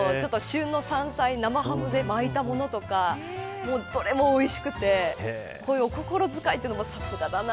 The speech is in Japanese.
旬の山菜、生ハムで巻いたものとかどれも、おいしくて心遣いもさすがだな